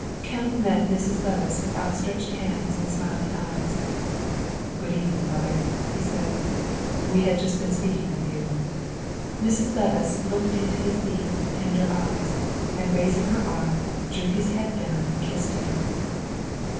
Kemp met Mrs. Levice with outstretched hands and smiling eyes. "Good evening, Mother," he said; "we had just been speaking of you." Mrs. Levice looked into his deep, tender eyes, and raising her arm, drew his head down and kissed him.